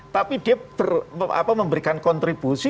tapi dia memberikan kontribusi